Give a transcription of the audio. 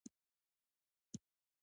زاړه ګواښونه بیا راښکاره شول.